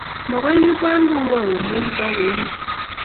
Makoy kipwan kong'wong' amun kakoimen.